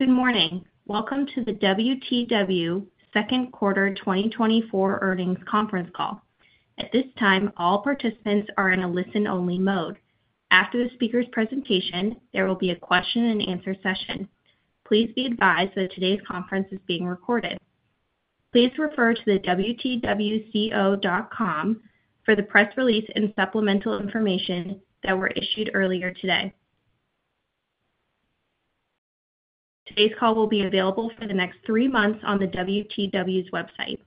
Good morning. Welcome to the WTW second quarter 2024 earnings conference call. At this time, all participants are in a listen-only mode. After the speaker's presentation, there will be a question-and-answer session. Please be advised that today's conference is being recorded. Please refer to the wtwco.com for the press release and supplemental information that were issued earlier today. Today's call will be available for the next three months on the WTW's website.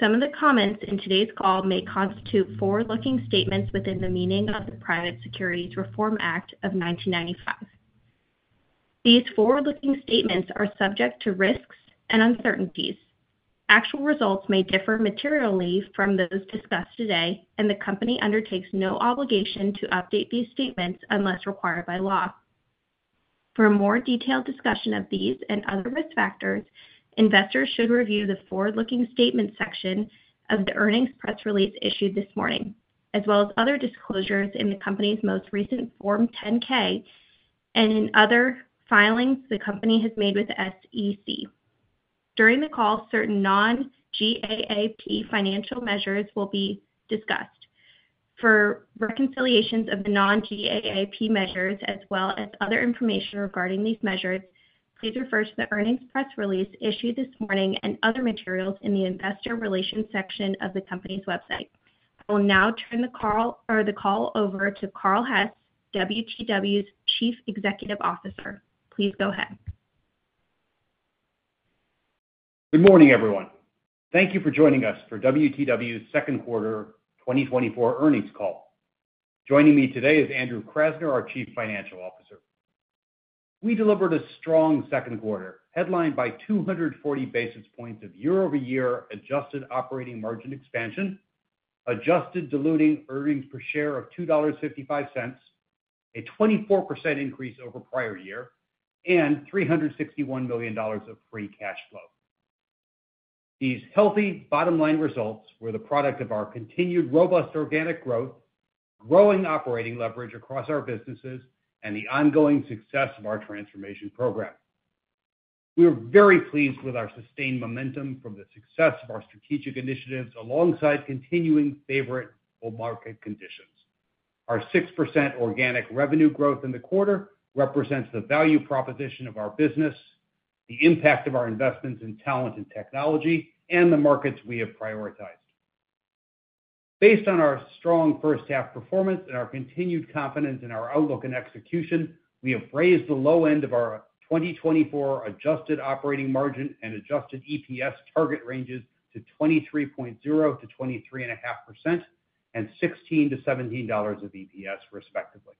Some of the comments in today's call may constitute forward-looking statements within the meaning of the Private Securities Litigation Reform Act of 1995. These forward-looking statements are subject to risks and uncertainties. Actual results may differ materially from those discussed today, and the company undertakes no obligation to update these statements unless required by law. For a more detailed discussion of these and other risk factors, investors should review the forward-looking statement section of the earnings press release issued this morning, as well as other disclosures in the company's most recent Form 10-K and in other filings the company has made with SEC. During the call, certain non-GAAP financial measures will be discussed. For reconciliations of the non-GAAP measures, as well as other information regarding these measures, please refer to the earnings press release issued this morning and other materials in the investor relations section of the company's website. I will now turn the call over to Carl Hess, WTW's Chief Executive Officer. Please go ahead. Good morning, everyone. Thank you for joining us for WTW's second quarter 2024 earnings call. Joining me today is Andrew Krasner, our Chief Financial Officer. We delivered a strong second quarter, headlined by 240 basis points of year-over-year adjusted operating margin expansion, adjusted diluted earnings per share of $2.55, a 24% increase over prior year, and $361 million of free cash flow. These healthy bottom-line results were the product of our continued robust organic growth, growing operating leverage across our businesses, and the ongoing success of our transformation program. We are very pleased with our sustained momentum from the success of our strategic initiatives alongside continuing favorable market conditions. Our 6% organic revenue growth in the quarter represents the value proposition of our business, the impact of our investments in talent and technology, and the markets we have prioritized. Based on our strong first-half performance and our continued confidence in our outlook and execution, we have raised the low end of our 2024 adjusted operating margin and adjusted EPS target ranges to 23.0%-23.5% and $16-$17 of EPS, respectively.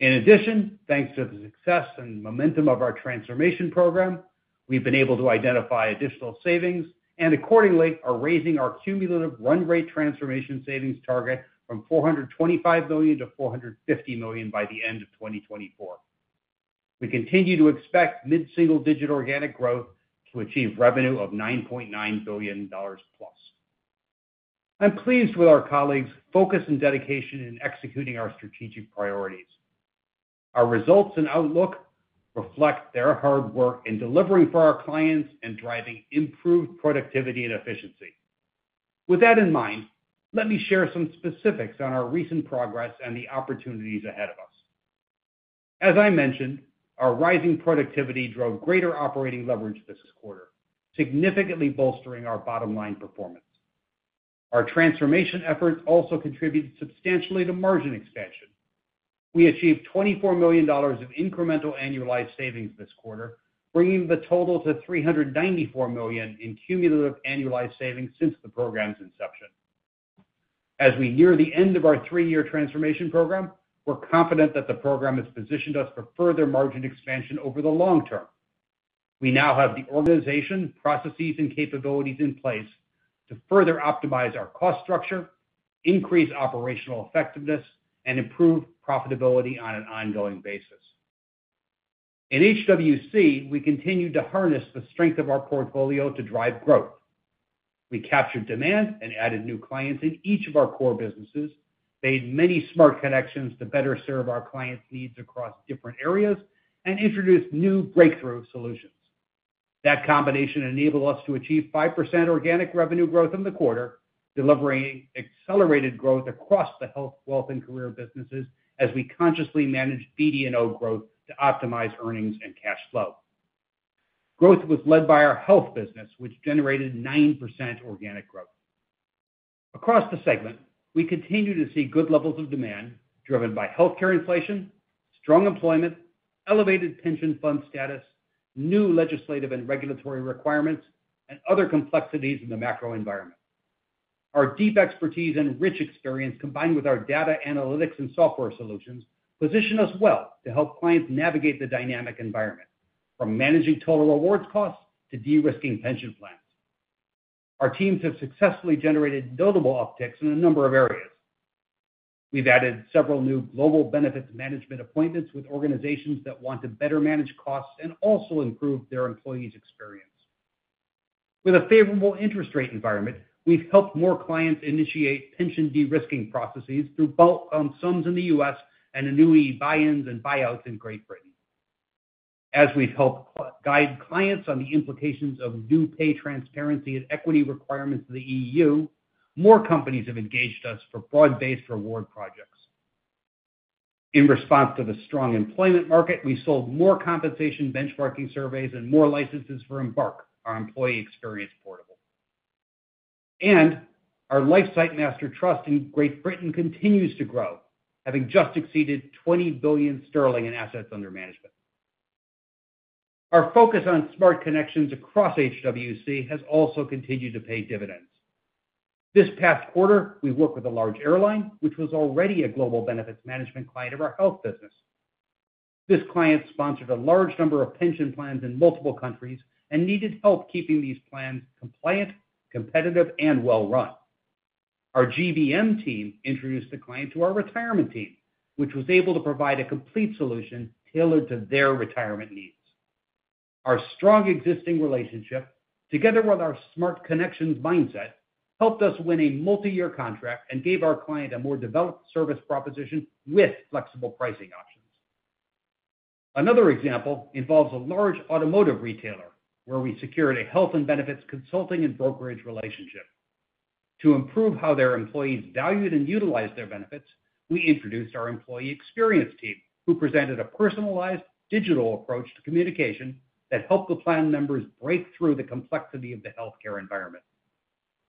In addition, thanks to the success and momentum of our transformation program, we've been able to identify additional savings and, accordingly, are raising our cumulative run rate transformation savings target from $425 million to $450 million by the end of 2024. We continue to expect mid-single-digit organic growth to achieve revenue of $9.9 billion+. I'm pleased with our colleagues' focus and dedication in executing our strategic priorities. Our results and outlook reflect their hard work in delivering for our clients and driving improved productivity and efficiency. With that in mind, let me share some specifics on our recent progress and the opportunities ahead of us. As I mentioned, our rising productivity drove greater operating leverage this quarter, significantly bolstering our bottom-line performance. Our transformation efforts also contributed substantially to margin expansion. We achieved $24 million of incremental annualized savings this quarter, bringing the total to $394 million in cumulative annualized savings since the program's inception. As we near the end of our three-year transformation program, we're confident that the program has positioned us for further margin expansion over the long term. We now have the organization, processes, and capabilities in place to further optimize our cost structure, increase operational effectiveness, and improve profitability on an ongoing basis. In HWC, we continue to harness the strength of our portfolio to drive growth. We captured demand and added new clients in each of our core businesses, made many smart connections to better serve our clients' needs across different areas, and introduced new breakthrough solutions. That combination enabled us to achieve 5% organic revenue growth in the quarter, delivering accelerated growth across the Health, Wealth, and Career businesses as we consciously managed BD&O growth to optimize earnings and cash flow. Growth was led by our Health business, which generated 9% organic growth. Across the segment, we continue to see good levels of demand driven by healthcare inflation, strong employment, elevated pension fund status, new legislative and regulatory requirements, and other complexities in the macro environment. Our deep expertise and rich experience, combined with our data analytics and software solutions, position us well to help clients navigate the dynamic environment, from managing total rewards costs to de-risking pension plans. Our teams have successfully generated notable upticks in a number of areas. We've added several new Global Benefits Management appointments with organizations that want to better manage costs and also improve their employees' experience. With a favorable interest rate environment, we've helped more clients initiate pension de-risking processes through bulk lump sums in the U.S. and annuity buy-ins and buy-outs in Great Britain. As we've helped guide clients on the implications of new pay transparency and equity requirements in the E.U., more companies have engaged us for broad-based reward projects. In response to the strong employment market, we sold more compensation benchmarking surveys and more licenses for Embark, our employee experience platform. Our LifeSight Master Trust in Great Britain continues to grow, having just exceeded EUR 20 billion in assets under management. Our focus on smart connections across HWC has also continued to pay dividends. This past quarter, we worked with a large airline, which was already a global benefits management client of our health business. This client sponsored a large number of pension plans in multiple countries and needed help keeping these plans compliant, competitive, and well-run. Our GBM team introduced the client to our retirement team, which was able to provide a complete solution tailored to their retirement needs. Our strong existing relationship, together with our smart connections mindset, helped us win a multi-year contract and gave our client a more developed service proposition with flexible pricing options. Another example involves a large automotive retailer where we secured a Health & Benefits consulting and brokerage relationship. To improve how their employees valued and utilized their benefits, we introduced our employee experience team, who presented a personalized digital approach to communication that helped the plan members break through the complexity of the healthcare environment.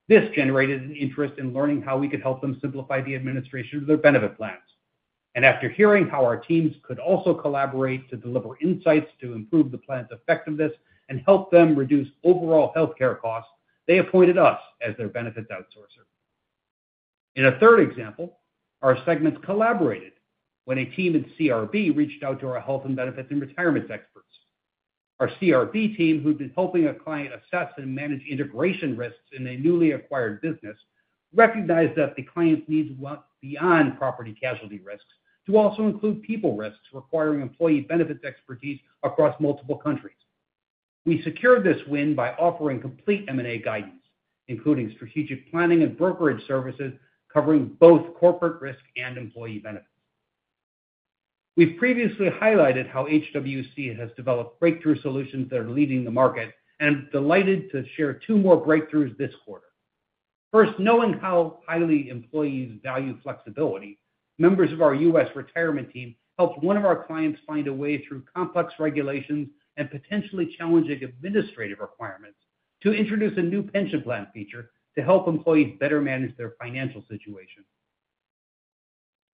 This generated an interest in learning how we could help them simplify the administration of their benefit plans. After hearing how our teams could also collaborate to deliver insights to improve the plan's effectiveness and help them reduce overall healthcare costs, they appointed us as their benefits outsourcer. In a third example, our segments collaborated when a team in CRB reached out to our Health & Benefits and Retirement experts. Our CRB team, who'd been helping a client assess and manage integration risks in a newly acquired business, recognized that the client's needs went beyond property casualty risks to also include people risks requiring employee benefits expertise across multiple countries. We secured this win by offering complete M&A guidance, including strategic planning and brokerage services covering both corporate risk and employee benefits. We've previously highlighted how HWC has developed breakthrough solutions that are leading the market, and I'm delighted to share two more breakthroughs this quarter. First, knowing how highly employees value flexibility, members of our U.S. retirement team helped one of our clients find a way through complex regulations and potentially challenging administrative requirements to introduce a new pension plan feature to help employees better manage their financial situation.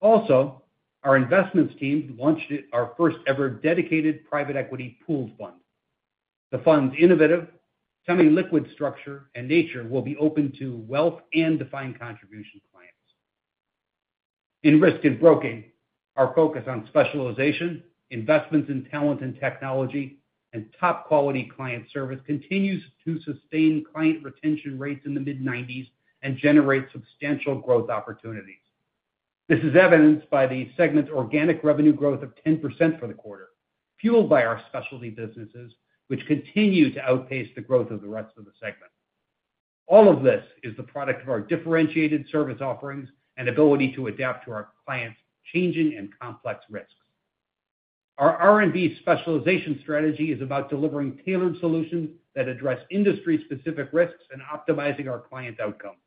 Also, our investments team launched our first-ever dedicated private equity pooled fund. The fund's innovative, semi-liquid structure and nature will be open to wealth and defined contribution clients. In Risk & Broking, our focus on specialization, investments in talent and technology, and top-quality client service continues to sustain client retention rates in the mid-90s and generate substantial growth opportunities. This is evidenced by the segment's organic revenue growth of 10% for the quarter, fueled by our specialty businesses, which continue to outpace the growth of the rest of the segment. All of this is the product of our differentiated service offerings and ability to adapt to our clients' changing and complex risks. Our R&B specialization strategy is about delivering tailored solutions that address industry-specific risks and optimizing our client outcomes.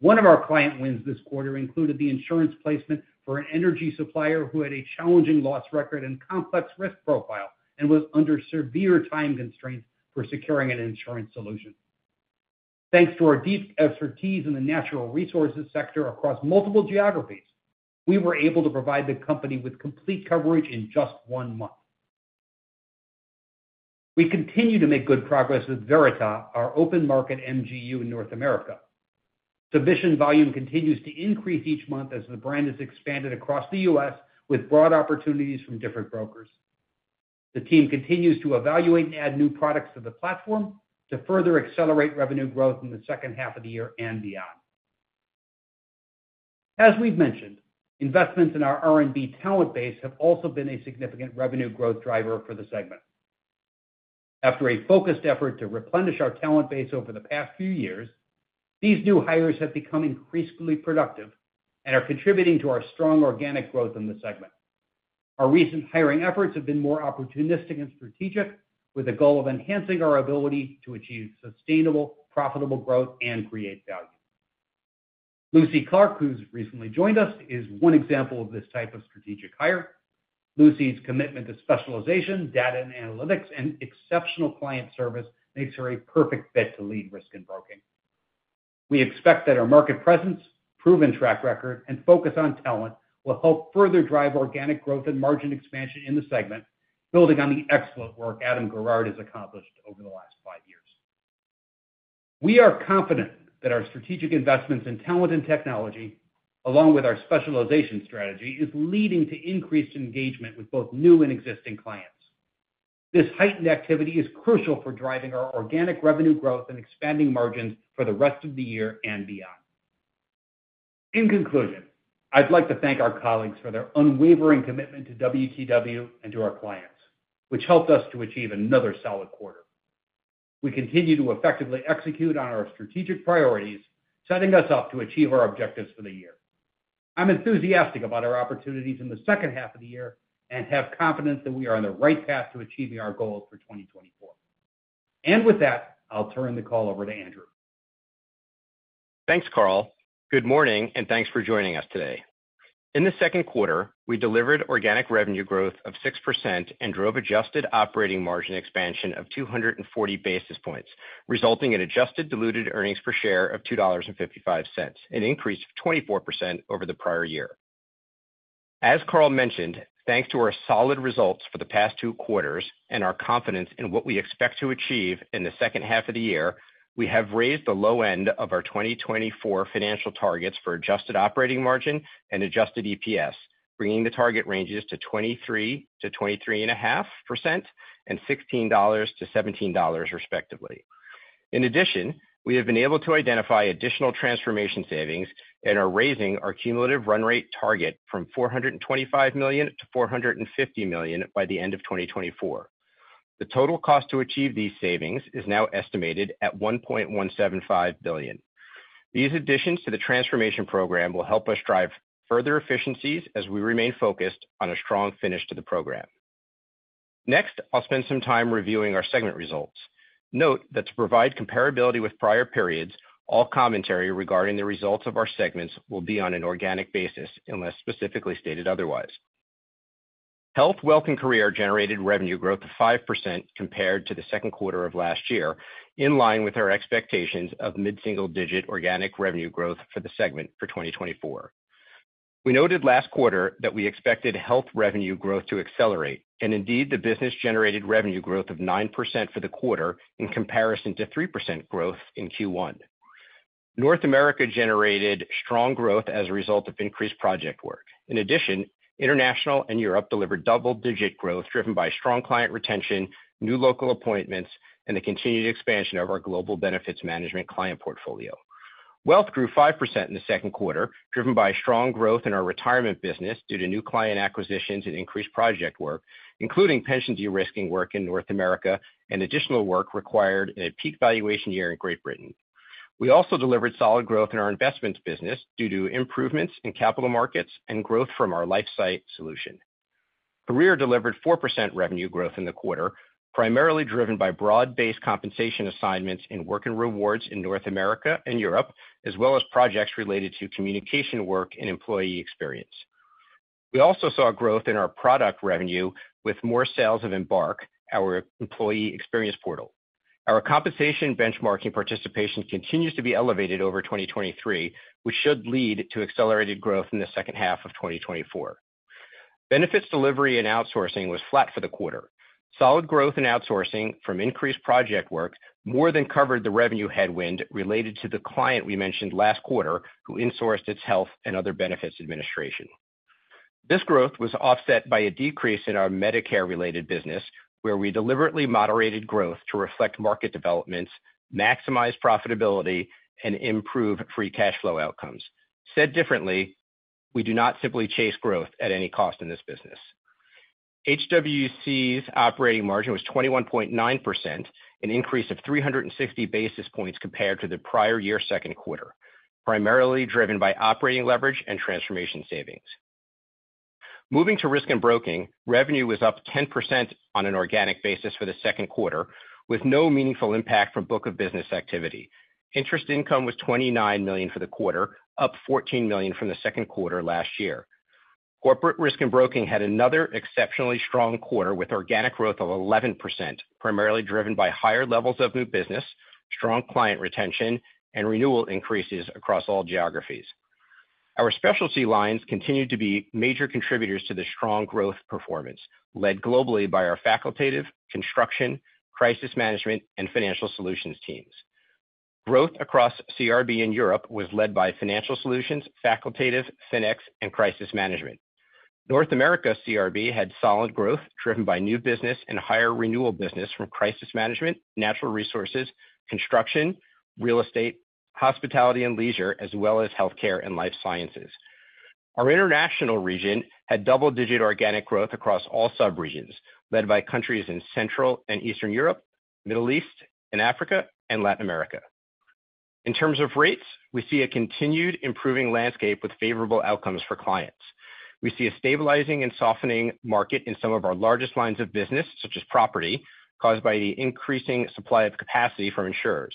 One of our client wins this quarter included the insurance placement for an energy supplier who had a challenging loss record and complex risk profile and was under severe time constraints for securing an insurance solution. Thanks to our deep expertise in the natural resources sector across multiple geographies, we were able to provide the company with complete coverage in just one month. We continue to make good progress with Verita, our open-market MGU in North America. The submission volume continues to increase each month as the brand is expanded across the U.S. with broad opportunities from different brokers. The team continues to evaluate and add new products to the platform to further accelerate revenue growth in the second half of the year and beyond. As we've mentioned, investments in our R&B talent base have also been a significant revenue growth driver for the segment. After a focused effort to replenish our talent base over the past few years, these new hires have become increasingly productive and are contributing to our strong organic growth in the segment. Our recent hiring efforts have been more opportunistic and strategic, with the goal of enhancing our ability to achieve sustainable, profitable growth and create value. Lucy Clarke, who's recently joined us, is one example of this type of strategic hire. Lucy's commitment to specialization, data and analytics, and exceptional client service makes her a perfect fit to lead Risk & Broking. We expect that our market presence, proven track record, and focus on talent will help further drive organic growth and margin expansion in the segment, building on the excellent work Adam Garrard has accomplished over the last five years. We are confident that our strategic investments in talent and technology, along with our specialization strategy, are leading to increased engagement with both new and existing clients. This heightened activity is crucial for driving our organic revenue growth and expanding margins for the rest of the year and beyond. In conclusion, I'd like to thank our colleagues for their unwavering commitment to WTW and to our clients, which helped us to achieve another solid quarter. We continue to effectively execute on our strategic priorities, setting us up to achieve our objectives for the year. I'm enthusiastic about our opportunities in the second half of the year and have confidence that we are on the right path to achieving our goals for 2024. With that, I'll turn the call over to Andrew. Thanks, Carl. Good morning, and thanks for joining us today. In the second quarter, we delivered organic revenue growth of 6% and drove Adjusted operating margin expansion of 240 basis points, resulting in adjusted diluted earnings per share of $2.55, an increase of 24% over the prior year. As Carl mentioned, thanks to our solid results for the past two quarters and our confidence in what we expect to achieve in the second half of the year, we have raised the low end of our 2024 financial targets for adjusted operating margin and adjusted EPS, bringing the target ranges to 23%-23.5% and $16-$17, respectively. In addition, we have been able to identify additional transformation savings and are raising our cumulative run rate target from $425 million to $450 million by the end of 2024. The total cost to achieve these savings is now estimated at $1.175 billion. These additions to the transformation program will help us drive further efficiencies as we remain focused on a strong finish to the program. Next, I'll spend some time reviewing our segment results. Note that to provide comparability with prior periods, all commentary regarding the results of our segments will be on an organic basis unless specifically stated otherwise. Health, Wealth, and Career generated revenue growth of 5% compared to the second quarter of last year, in line with our expectations of mid-single-digit organic revenue growth for the segment for 2024. We noted last quarter that we expected Health revenue growth to accelerate, and indeed the business generated revenue growth of 9% for the quarter in comparison to 3% growth in Q1. North America generated strong growth as a result of increased project work. In addition, international and Europe delivered double-digit growth driven by strong client retention, new local appointments, and the continued expansion of our global benefits management client portfolio. Wealth grew 5% in the second quarter, driven by strong growth in our retirement business due to new client acquisitions and increased project work, including pension de-risking work in North America and additional work required in a peak valuation year in Great Britain. We also delivered solid growth in our investments business due to improvements in capital markets and growth from our LifeSight solution. Career delivered 4% revenue growth in the quarter, primarily driven by broad-based compensation assignments and Work & Rewards in North America and Europe, as well as projects related to communication work and employee experience. We also saw growth in our product revenue with more sales of Embark, our employee experience portal. Our compensation benchmarking participation continues to be elevated over 2023, which should lead to accelerated growth in the second half of 2024. Benefits Delivery and Outsourcing was flat for the quarter. Solid growth in outsourcing from increased project work more than covered the revenue headwind related to the client we mentioned last quarter, who insourced its health and other benefits administration. This growth was offset by a decrease in our Medicare-related business, where we deliberately moderated growth to reflect market developments, maximize profitability, and improve free cash flow outcomes. Said differently, we do not simply chase growth at any cost in this business. HWC's operating margin was 21.9%, an increase of 360 basis points compared to the prior year's second quarter, primarily driven by operating leverage and transformation savings. Moving to Risk & Broking, revenue was up 10% on an organic basis for the second quarter, with no meaningful impact from book of business activity. Interest income was $29 million for the quarter, up $14 million from the second quarter last year. Corporate Risk & Broking had another exceptionally strong quarter with organic growth of 11%, primarily driven by higher levels of new business, strong client retention, and renewal increases across all geographies. Our specialty lines continued to be major contributors to the strong growth performance, led globally by our facultative, construction, crisis management, and financial solutions teams. Growth across CRB in Europe was led by financial solutions, facultative, fintech, and crisis management. North America CRB had solid growth driven by new business and higher renewal business from crisis management, natural resources, construction, real estate, hospitality and leisure, as well as healthcare and life sciences. Our international region had double-digit organic growth across all subregions, led by countries in Central and Eastern Europe, Middle East, Africa, and Latin America. In terms of rates, we see a continued improving landscape with favorable outcomes for clients. We see a stabilizing and softening market in some of our largest lines of business, such as property, caused by the increasing supply of capacity from insurers.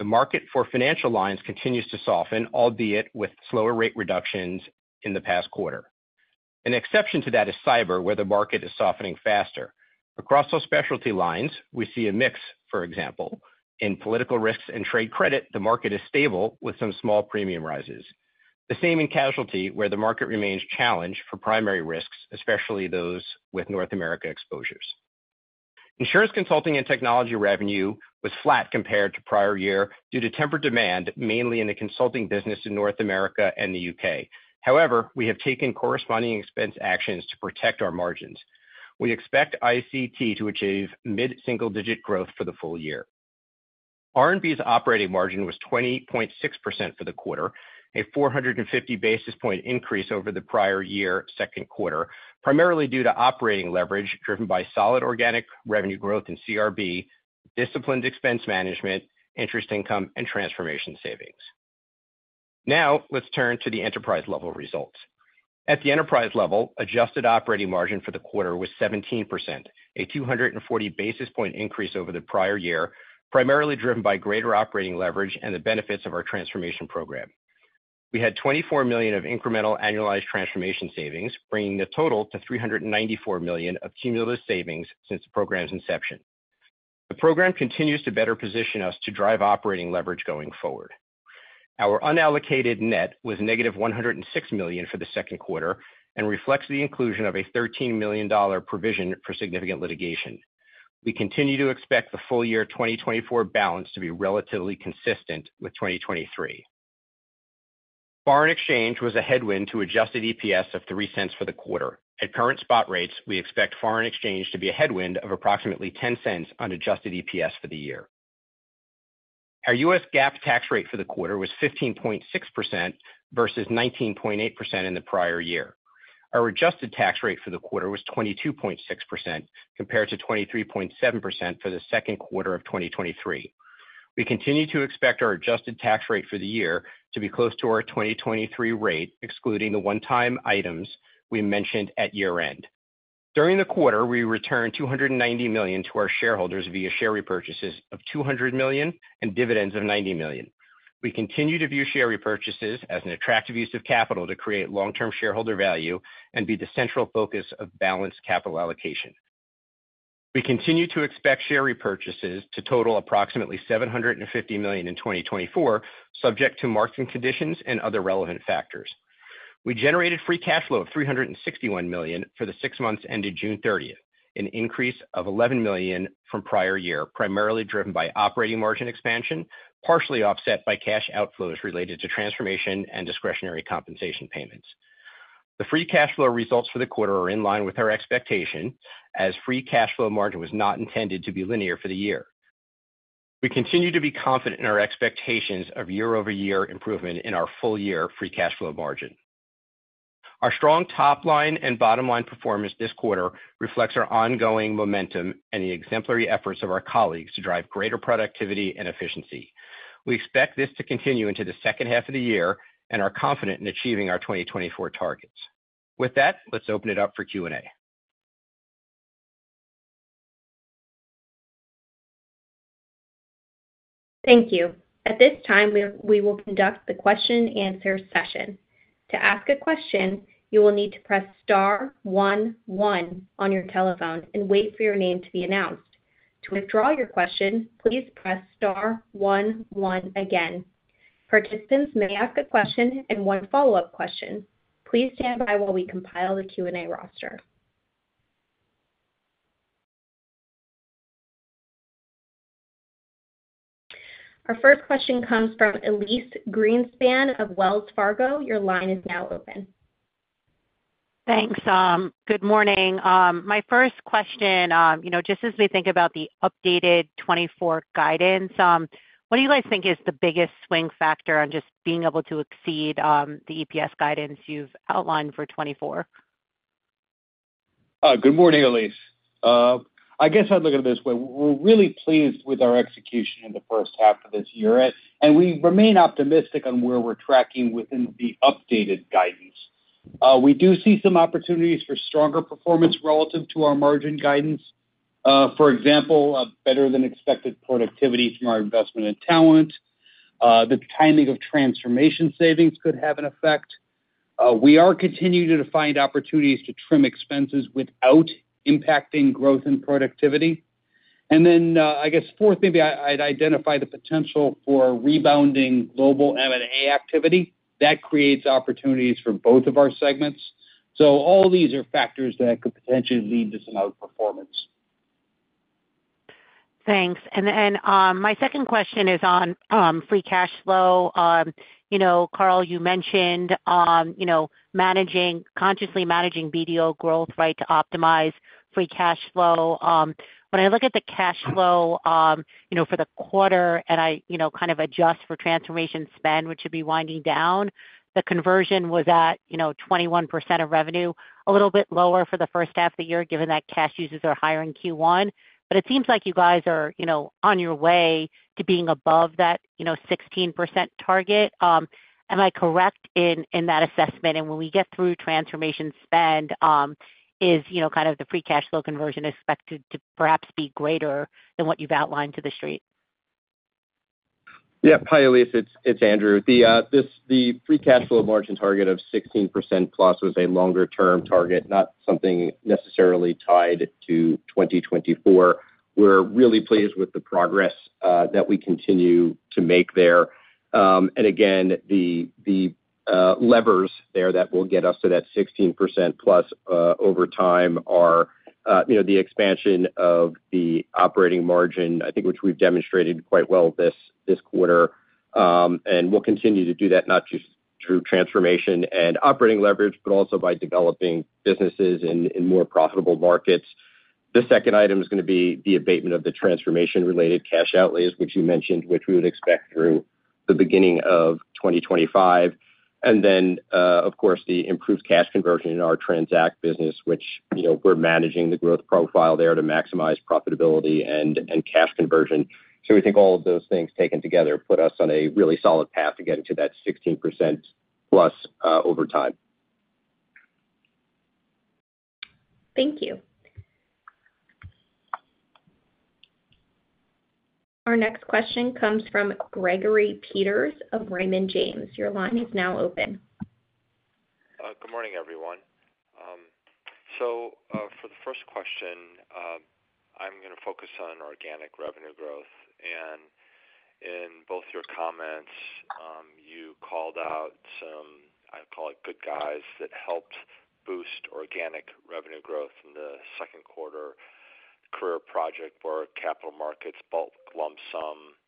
The market for financial lines continues to soften, albeit with slower rate reductions in the past quarter. An exception to that is cyber, where the market is softening faster. Across all specialty lines, we see a mix, for example, in political risks and trade credit. The market is stable with some small premium rises. The same in casualty, where the market remains challenged for primary risks, especially those with North America exposures. Insurance Consulting and Technology revenue was flat compared to prior year due to tempered demand, mainly in the consulting business in North America and the U.K.. However, we have taken corresponding expense actions to protect our margins. We expect ICT to achieve mid-single-digit growth for the full year. R&B's operating margin was 20.6% for the quarter, a 450 basis point increase over the prior year's second quarter, primarily due to operating leverage driven by solid organic revenue growth in CRB, disciplined expense management, interest income, and transformation savings. Now let's turn to the enterprise-level results. At the enterprise level, adjusted operating margin for the quarter was 17%, a 240 basis point increase over the prior year, primarily driven by greater operating leverage and the benefits of our transformation program. We had $24 million of incremental annualized transformation savings, bringing the total to $394 million of cumulative savings since the program's inception. The program continues to better position us to drive operating leverage going forward. Our unallocated net was negative $106 million for the second quarter and reflects the inclusion of a $13 million provision for significant litigation. We continue to expect the full year 2024 balance to be relatively consistent with 2023. Foreign exchange was a headwind to adjusted EPS of $0.03 for the quarter. At current spot rates, we expect foreign exchange to be a headwind of approximately $0.10 on adjusted EPS for the year. Our U.S. GAAP tax rate for the quarter was 15.6% versus 19.8% in the prior year. Our adjusted tax rate for the quarter was 22.6%, compared to 23.7% for the second quarter of 2023. We continue to expect our adjusted tax rate for the year to be close to our 2023 rate, excluding the one-time items we mentioned at year-end. During the quarter, we returned $290 million to our shareholders via share repurchases of $200 million and dividends of $90 million. We continue to view share repurchases as an attractive use of capital to create long-term shareholder value and be the central focus of balanced capital allocation. We continue to expect share repurchases to total approximately $750 million in 2024, subject to market conditions and other relevant factors. We generated free cash flow of $361 million for the six months ended June 30, an increase of $11 million from prior year, primarily driven by operating margin expansion, partially offset by cash outflows related to transformation and discretionary compensation payments. The free cash flow results for the quarter are in line with our expectation, as free cash flow margin was not intended to be linear for the year. We continue to be confident in our expectations of year-over-year improvement in our full-year free cash flow margin. Our strong top-line and bottom-line performance this quarter reflects our ongoing momentum and the exemplary efforts of our colleagues to drive greater productivity and efficiency. We expect this to continue into the second half of the year and are confident in achieving our 2024 targets. With that, let's open it up for Q&A. Thank you. At this time, we will conduct the question-and-answer session. To ask a question, you will need to press star one one on your telephone and wait for your name to be announced. To withdraw your question, please press star one one again. Participants may ask a question and one follow-up question. Please stand by while we compile the Q&A roster. Our first question comes from Elyse Greenspan of Wells Fargo. Your line is now open. Thanks. Good morning. My first question, you know, just as we think about the updated 2024 guidance, what do you guys think is the biggest swing factor on just being able to exceed the EPS guidance you've outlined for 2024? Good morning, Elyse. I guess I'd look at it this way. We're really pleased with our execution in the first half of this year, and we remain optimistic on where we're tracking within the updated guidance. We do see some opportunities for stronger performance relative to our margin guidance. For example, better-than-expected productivity from our investment in talent. The timing of transformation savings could have an effect. We are continuing to find opportunities to trim expenses without impacting growth and productivity. And then, I guess, fourth, maybe I'd identify the potential for rebounding global M&A activity. That creates opportunities for both of our segments. So all these are factors that could potentially lead to some outperformance. Thanks. And my second question is on free cash flow. You know, Carl, you mentioned, you know, consciously managing BD&O growth, right, to optimize free cash flow. When I look at the cash flow, you know, for the quarter, and I, you know, kind of adjust for transformation spend, which should be winding down, the conversion was at, you know, 21% of revenue, a little bit lower for the first half of the year, given that cash users are higher in Q1. But it seems like you guys are, you know, on your way to being above that, you know, 16% target. Am I correct in that assessment? And when we get through transformation spend, is, you know, kind of the free cash flow conversion expected to perhaps be greater than what you've outlined to the street? Yeah. Hi, Elyse. It's Andrew. The free cash flow margin target of 16% plus was a longer-term target, not something necessarily tied to 2024. We're really pleased with the progress that we continue to make there. And again, the levers there that will get us to that 16%+ over time are, you know, the expansion of the operating margin, I think, which we've demonstrated quite well this quarter. And we'll continue to do that not just through transformation and operating leverage, but also by developing businesses in more profitable markets. The second item is going to be the abatement of the transformation-related cash outlays, which you mentioned, which we would expect through the beginning of 2025. And then, of course, the improved cash conversion in our Tranzact business, which, you know, we're managing the growth profile there to maximize profitability and cash conversion. So we think all of those things taken together put us on a really solid path to getting to that 16%+ over time. Thank you. Our next question comes from Gregory Peters of Raymond James. Your line is now open. Good morning, everyone. So for the first question, I'm going to focus on organic revenue growth. And in both your comments, you called out some, I'd call it, good guys that helped boost organic revenue growth in the second quarter: Career Project, Broad, Capital Markets, bulk lump sum.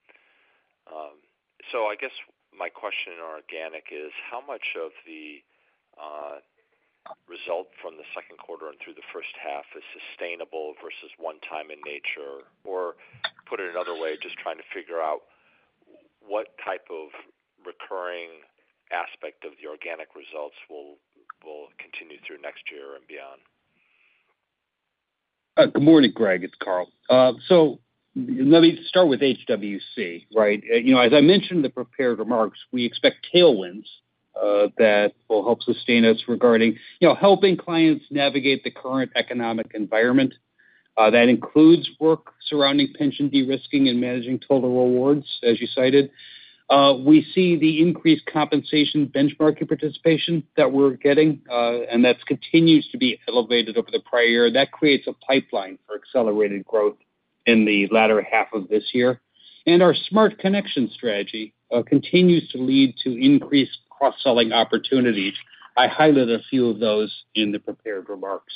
So I guess my question in organic is, how much of the result from the second quarter and through the first half is sustainable versus one-time in nature? Or put it another way, just trying to figure out what type of recurring aspect of the organic results will continue through next year and beyond. Good morning, Greg. It's Carl. So let me start with HWC, right? You know, as I mentioned in the prepared remarks, we expect tailwinds that will help sustain us regarding, you know, helping clients navigate the current economic environment. That includes work surrounding pension de-risking and managing total rewards, as you cited. We see the increased compensation benchmarking participation that we're getting, and that continues to be elevated over the prior year. That creates a pipeline for accelerated growth in the latter half of this year. And our smart connection strategy continues to lead to increased cross-selling opportunities. I highlighted a few of those in the prepared remarks.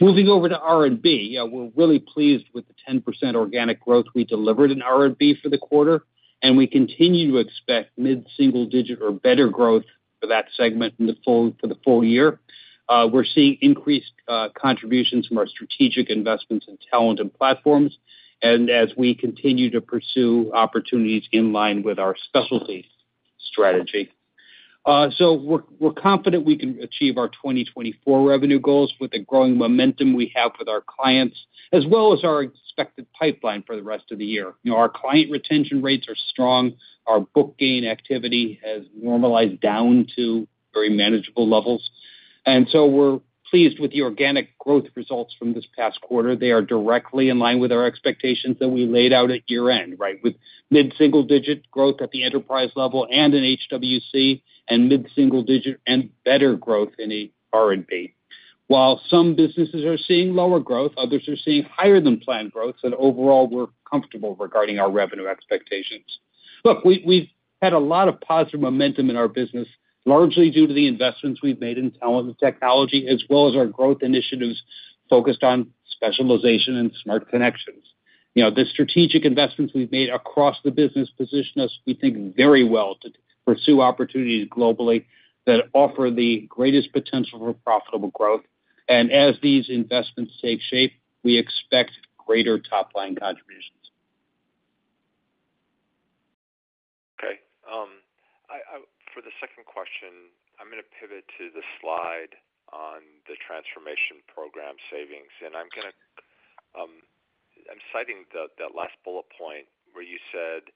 Moving over to R&B, yeah, we're really pleased with the 10% organic growth we delivered in R&B for the quarter, and we continue to expect mid-single-digit or better growth for that segment in the full year. We're seeing increased contributions from our strategic investments in talent and platforms, and as we continue to pursue opportunities in line with our specialty strategy. So we're confident we can achieve our 2024 revenue goals with the growing momentum we have with our clients, as well as our expected pipeline for the rest of the year. You know, our client retention rates are strong. Our book gain activity has normalized down to very manageable levels. And so we're pleased with the organic growth results from this past quarter. They are directly in line with our expectations that we laid out at year-end, right, with mid-single-digit growth at the enterprise level and in HWC, and mid-single-digit and better growth in R&B. While some businesses are seeing lower growth, others are seeing higher-than-planned growth, and overall, we're comfortable regarding our revenue expectations. Look, we've had a lot of positive momentum in our business, largely due to the investments we've made in talent and technology, as well as our growth initiatives focused on specialization and smart connections. You know, the strategic investments we've made across the business position us, we think, very well to pursue opportunities globally that offer the greatest potential for profitable growth. As these investments take shape, we expect greater top-line contributions. Okay. For the second question, I'm going to pivot to the slide on the transformation program savings. I'm citing that last bullet point where you said,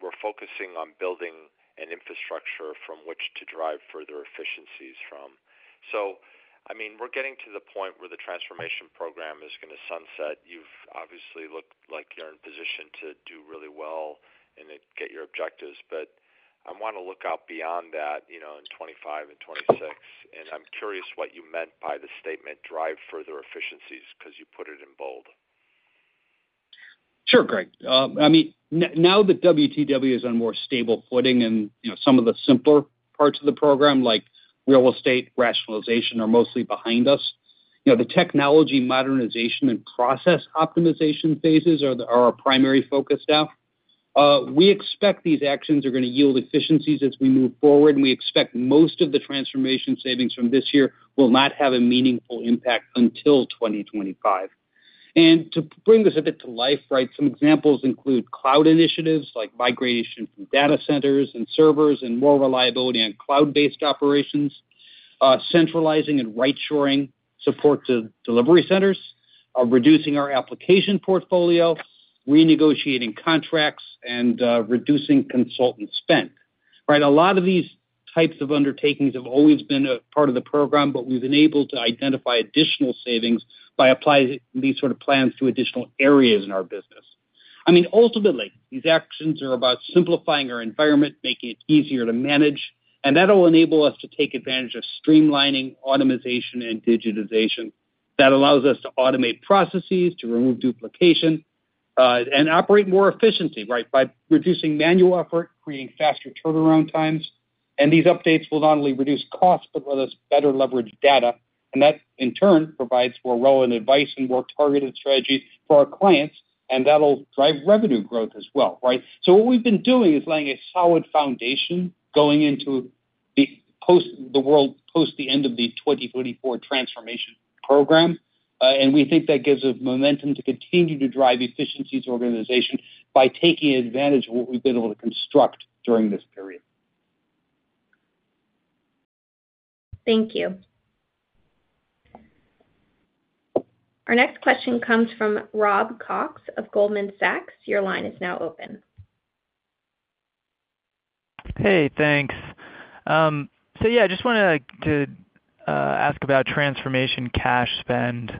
"We're focusing on building an infrastructure from which to drive further efficiencies from." So, I mean, we're getting to the point where the transformation program is going to sunset. You've obviously looked like you're in a position to do really well and get your objectives. But I want to look out beyond that, you know, in 2025 and 2026. I'm curious what you meant by the statement, "Drive further efficiencies," because you put it in bold. Sure, Greg. I mean, now that WTW is on more stable footing and, you know, some of the simpler parts of the program, like real estate rationalization, are mostly behind us. You know, the technology modernization and process optimization phases are our primary focus now. We expect these actions are going to yield efficiencies as we move forward. We expect most of the transformation savings from this year will not have a meaningful impact until 2025. To bring this a bit to life, right, some examples include cloud initiatives like migration from data centers and servers and more reliance on cloud-based operations, centralizing and rightsizing support to delivery centers, reducing our application portfolio, renegotiating contracts, and reducing consultant spend. Right? A lot of these types of undertakings have always been a part of the program, but we've been able to identify additional savings by applying these sort of plans to additional areas in our business. I mean, ultimately, these actions are about simplifying our environment, making it easier to manage. And that will enable us to take advantage of streamlining automation and digitization that allows us to automate processes, to remove duplication, and operate more efficiently, right, by reducing manual effort, creating faster turnaround times. And these updates will not only reduce costs, but let us better leverage data. And that, in turn, provides more relevant advice and more targeted strategies for our clients. And that'll drive revenue growth as well, right? So what we've been doing is laying a solid foundation going into the world post the end of the 2024 transformation program. We think that gives us momentum to continue to drive efficiencies organization by taking advantage of what we've been able to construct during this period. Thank you. Our next question comes from Rob Cox of Goldman Sachs. Your line is now open. Hey, thanks. So, yeah, I just wanted to ask about transformation cash spend.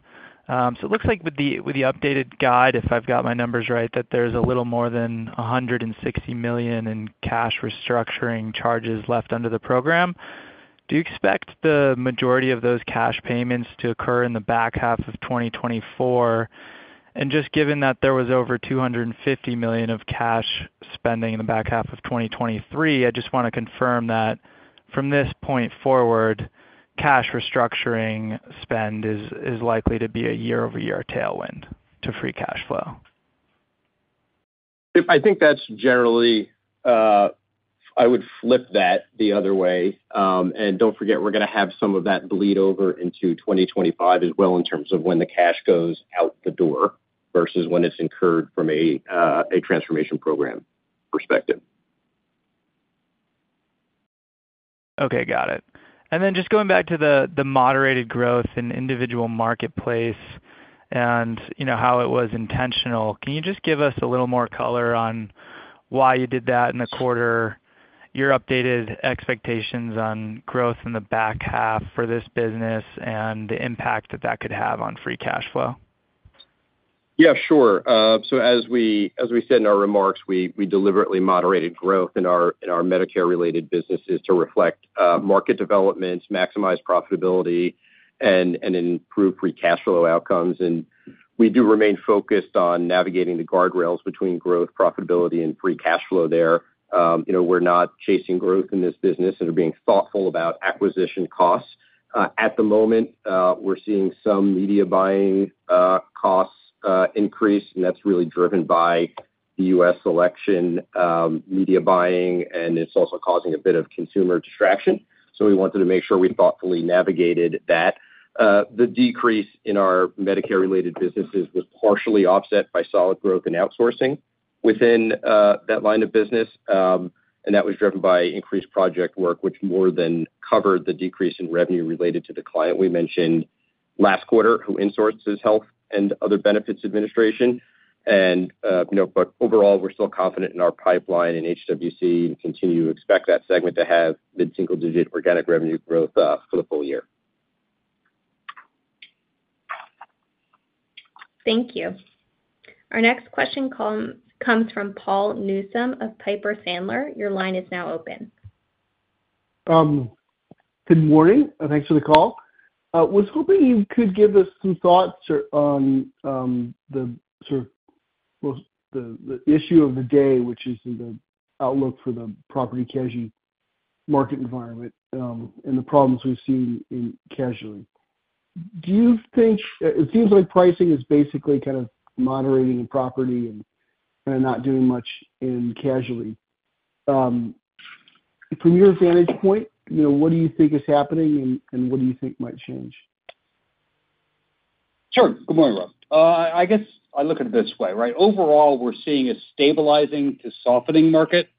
So it looks like with the updated guide, if I've got my numbers right, that there's a little more than $160 million in cash restructuring charges left under the program. Do you expect the majority of those cash payments to occur in the back half of 2024? And just given that there was over $250 million of cash spending in the back half of 2023, I just want to confirm that from this point forward, cash restructuring spend is likely to be a year-over-year tailwind to free cash flow. I think that's generally, I would flip that the other way. And don't forget, we're going to have some of that bleed over into 2025 as well in terms of when the cash goes out the door versus when it's incurred from a transformation program perspective. Okay, got it. And then just going back to the moderated growth in Individual Marketplace and, you know, how it was intentional, can you just give us a little more color on why you did that in the quarter, your updated expectations on growth in the back half for this business and the impact that that could have on free cash flow? Yeah, sure. So as we said in our remarks, we deliberately moderated growth in our Medicare-related businesses to reflect market development, maximize profitability, and improve free cash flow outcomes. We do remain focused on navigating the guardrails between growth, profitability, and free cash flow there. You know, we're not chasing growth in this business and are being thoughtful about acquisition costs. At the moment, we're seeing some media buying costs increase, and that's really driven by the U.S. election media buying, and it's also causing a bit of consumer distraction. We wanted to make sure we thoughtfully navigated that. The decrease in our Medicare-related businesses was partially offset by solid growth and outsourcing within that line of business. That was driven by increased project work, which more than covered the decrease in revenue related to the client we mentioned last quarter, who insources health and other benefits administration. You know, but overall, we're still confident in our pipeline in HWC and continue to expect that segment to have mid-single-digit organic revenue growth for the full year. Thank you. Our next question comes from Paul Newsome of Piper Sandler. Your line is now open. Good morning. Thanks for the call. I was hoping you could give us some thoughts on the sort of the issue of the day, which is the outlook for the property casualty market environment and the problems we've seen in casualty. Do you think it seems like pricing is basically kind of moderating property and kind of not doing much in casualty? From your vantage point, you know, what do you think is happening and what do you think might change? Sure. Good morning, Rob. I guess I look at it this way, right? Overall, we're seeing a stabilizing to softening market,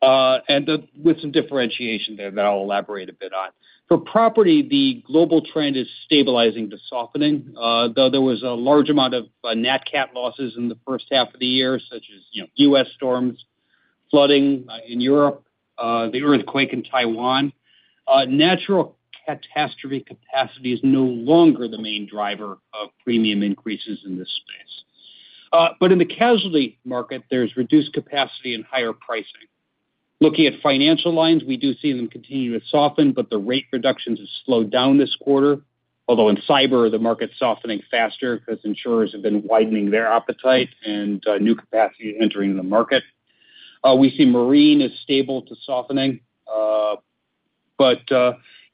and with some differentiation there that I'll elaborate a bit on. For property, the global trend is stabilizing to softening, though there was a large amount of Nat-Cat losses in the first half of the year, such as, you know, U.S. storms, flooding in Europe, the earthquake in Taiwan. Natural catastrophe capacity is no longer the main driver of premium increases in this space. But in the casualty market, there's reduced capacity and higher pricing. Looking at financial lines, we do see them continue to soften, but the rate reductions have slowed down this quarter. Although in cyber, the market's softening faster because insurers have been widening their appetite and new capacity is entering the market. We see marine is stable to softening. But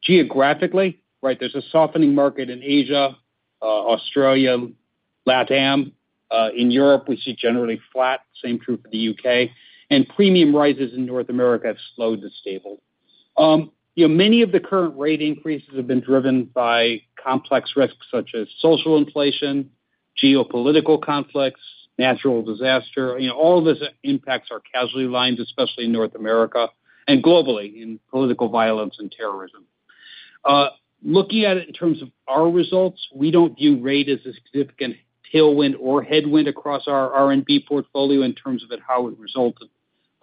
geographically, right, there's a softening market in Asia, Australia, LATAM. In Europe, we see generally flat. Same true for the U.K. Premium rises in North America have slowed to stable. You know, many of the current rate increases have been driven by complex risks such as social inflation, geopolitical conflicts, natural disaster. You know, all of this impacts our casualty lines, especially in North America and globally in political violence and terrorism. Looking at it in terms of our results, we don't view rate as a significant tailwind or headwind across our R&B portfolio in terms of how it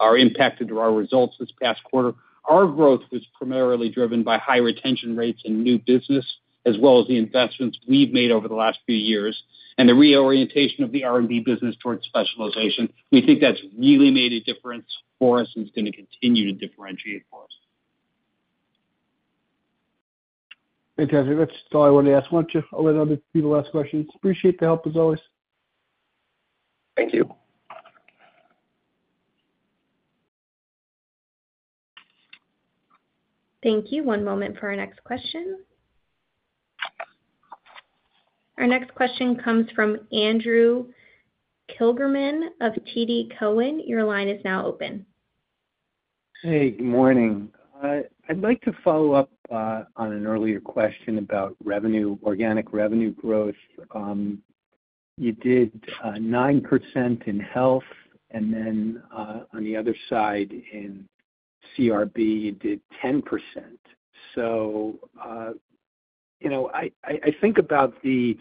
resulted or impacted our results this past quarter. Our growth was primarily driven by high retention rates and new business, as well as the investments we've made over the last few years and the reorientation of the R&B business towards specialization. We think that's really made a difference for us and is going to continue to differentiate for us. Fantastic. That's all I wanted to ask. We want a little bit of people to ask questions. Appreciate the help, as always. Thank you. Thank you. One moment for our next question. Our next question comes from Andrew Kligerman of TD Cowen. Your line is now open. Hey, good morning. I'd like to follow up on an earlier question about revenue, organic revenue growth. You did 9% in health, and then on the other side in CRB, you did 10%. So, you know, I think about the,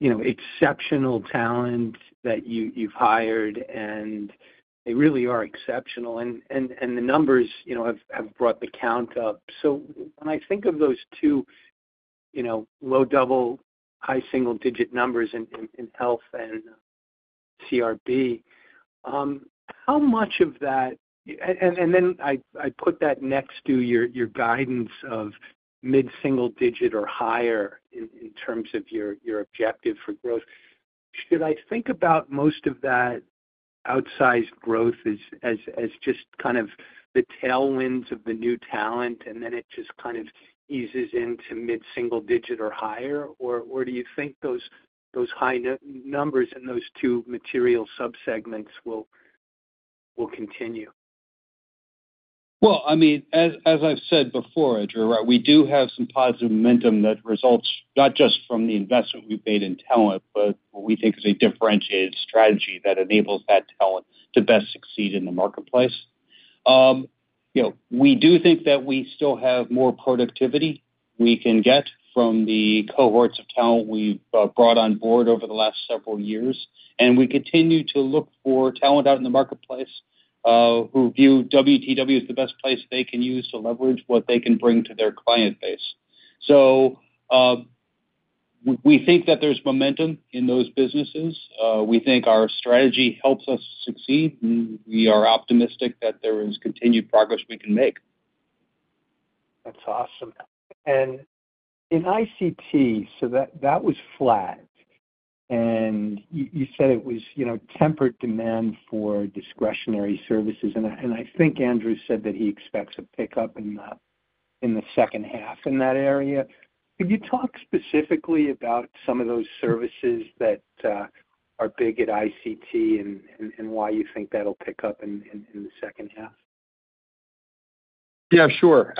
you know, exceptional talent that you've hired, and they really are exceptional. And the numbers, you know, have brought the count up. So when I think of those two, you know, low double, high single-digit numbers in health and CRB, how much of that, and then I put that next to your guidance of mid-single digit or higher in terms of your objective for growth, should I think about most of that outsized growth as just kind of the tailwinds of the new talent, and then it just kind of eases into mid-single digit or higher? Or do you think those high numbers and those two material subsegments will continue? Well, I mean, as I've said before, Andrew, right, we do have some positive momentum that results not just from the investment we've made in talent, but what we think is a differentiated strategy that enables that talent to best succeed in the marketplace. You know, we do think that we still have more productivity we can get from the cohorts of talent we've brought on board over the last several years. And we continue to look for talent out in the marketplace who view WTW as the best place they can use to leverage what they can bring to their client base. So we think that there's momentum in those businesses. We think our strategy helps us succeed. We are optimistic that there is continued progress we can make. That's awesome. And in ICT, so that was flat. And you said it was, you know, tempered demand for discretionary services. And I think Andrew said that he expects a pickup in the second half in that area. Could you talk specifically about some of those services that are big at ICT and why you think that'll pick up in the second half? Yeah, sure.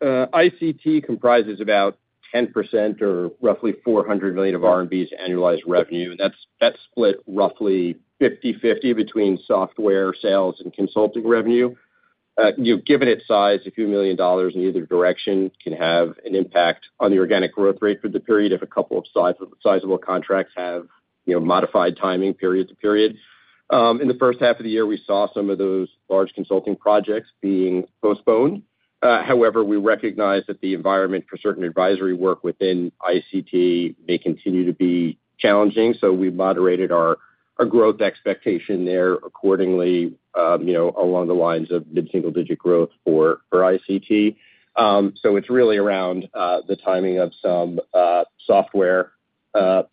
ICT comprises about 10% or roughly $400 million of R&B's annualized revenue. And that's split roughly 50/50 between software sales and consulting revenue. You know, given its size, $a few million in either direction can have an impact on the organic growth rate for the period if a couple of sizable contracts have, you know, modified timing period to period. In the first half of the year, we saw some of those large consulting projects being postponed. However, we recognize that the environment for certain advisory work within ICT may continue to be challenging. So we moderated our growth expectation there accordingly, you know, along the lines of mid-single-digit growth for ICT. So it's really around the timing of some software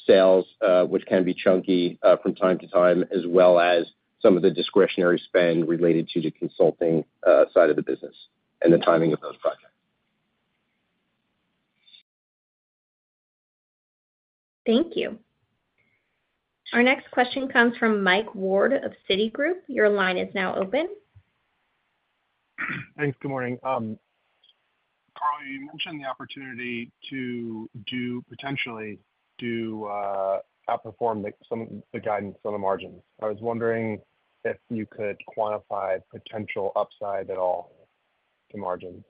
sales, which can be chunky from time to time, as well as some of the discretionary spend related to the consulting side of the business and the timing of those projects. Thank you. Our next question comes from Mike Ward of Citigroup. Your line is now open. Thanks. Good morning. Carl, you mentioned the opportunity to potentially outperform some of the guidance on the margins. I was wondering if you could quantify potential upside at all to margins.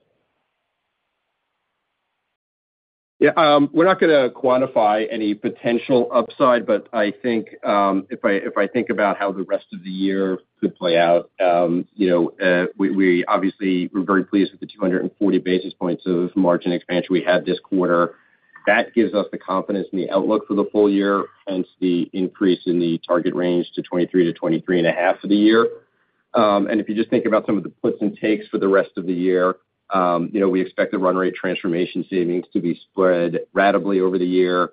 Yeah. We're not going to quantify any potential upside, but I think if I think about how the rest of the year could play out, you know, we obviously were very pleased with the 240 basis points of margin expansion we had this quarter. That gives us the confidence in the outlook for the full year, hence the increase in the target range to 23%-23.5% for the year. If you just think about some of the puts and takes for the rest of the year, you know, we expect the run rate transformation savings to be spread ratably over the year.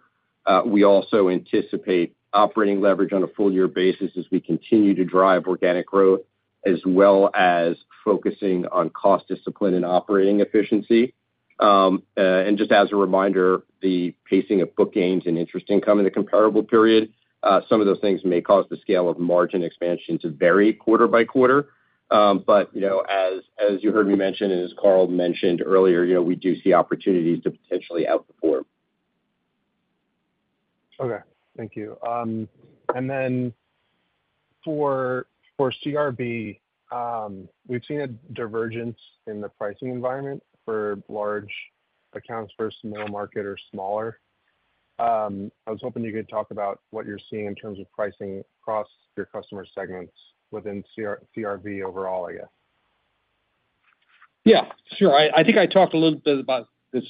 We also anticipate operating leverage on a full year basis as we continue to drive organic growth, as well as focusing on cost discipline and operating efficiency. Just as a reminder, the pacing of book gains and interest income in the comparable period, some of those things may cause the scale of margin expansion to vary quarter by quarter. But, you know, as you heard me mention, and as Carl mentioned earlier, you know, we do see opportunities to potentially outperform. Okay. Thank you. And then for CRB, we've seen a divergence in the pricing environment for large accounts versus small market or smaller. I was hoping you could talk about what you're seeing in terms of pricing across your customer segments within CRB overall, I guess. Yeah. Sure. I think I talked a little bit about this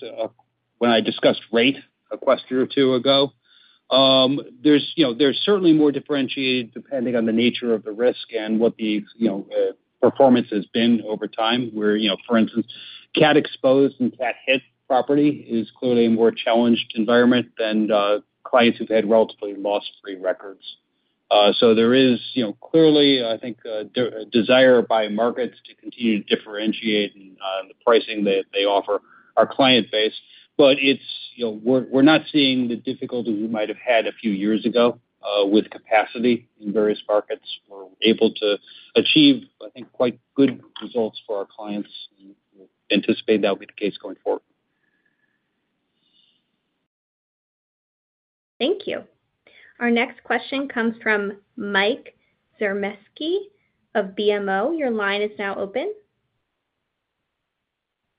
when I discussed rate a question or two ago. There's, you know, there's certainly more differentiated depending on the nature of the risk and what the, you know, performance has been over time where, you know, for instance, cat-exposed and cat-hit property is clearly a more challenged environment than clients who've had relatively loss-free records. So there is, you know, clearly, I think, a desire by markets to continue to differentiate in the pricing that they offer our client base. But it's, you know, we're not seeing the difficulty we might have had a few years ago with capacity in various markets. We're able to achieve, I think, quite good results for our clients. We anticipate that will be the case going forward. Thank you. Our next question comes from Mike Zaremski of BMO. Your line is now open.